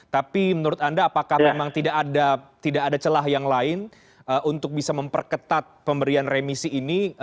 tapi menurut anda apakah memang tidak ada celah yang lain untuk bisa memperketat pemberian remisi ini